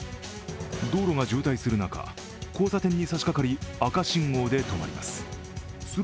道路が渋滞する中、交差点に差しかかり、赤信号で止まります。